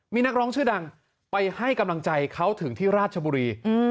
มีนักร้องชื่อดังไปให้กำลังใจเขาถึงที่ราชบุรี